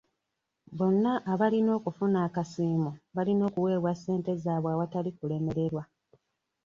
Bonna abalina okufuna akasiimo balina okuweebwa ssente zaabwe awatali kulemererwa